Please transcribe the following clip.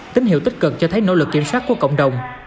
tín hiệu tích cực cho thấy nỗ lực kiểm soát của cộng đồng